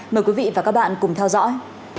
mời quý vị và các bạn cùng theo dõi